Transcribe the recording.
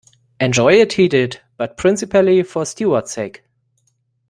Enjoy it he did, but principally for Steward's sake.